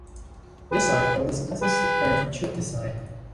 This article discusses the curved tube design.